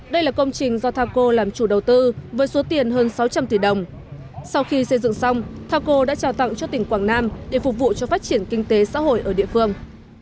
đây là công trình do thao cô làm chủ đầu tư với số tiền hơn sáu trăm linh tỷ đồng sau khi xây dựng xong thao cô đã trao tặng cho tỉnh quảng nam để phục vụ cho phát triển kinh tế xã hội ở địa phương